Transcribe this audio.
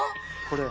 これ。